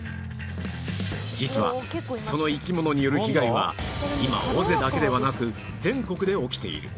実はその生き物による被害は今尾瀬だけではなく全国で起きている